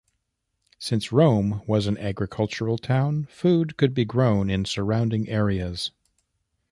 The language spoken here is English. Since Rome was an agricultural town, food could be grown in surrounding areas.